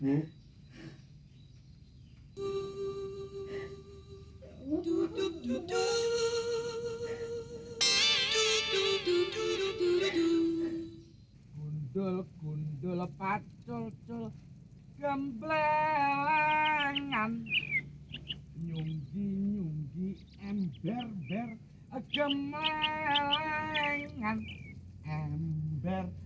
duduk kundul kundul pacul pacul gemblelengan nyunggi nyunggi ember ber gemblelengan ember